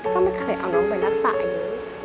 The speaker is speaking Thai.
ก็ไม่เคยเอาน้องไปรักษาอย่างนี้